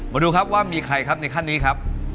มาดูครับว่ามีใครครับในขั้นนี้ครับ